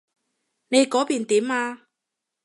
你嗰邊點啊？